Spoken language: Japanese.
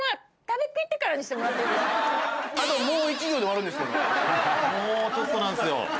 もうちょっとなんですよ。